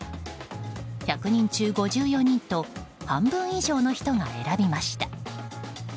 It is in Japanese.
１００人中５４人と半分以上の人が選びました。